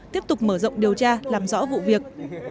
tiếp tục mở rộng điều tra làm rõ vụ việc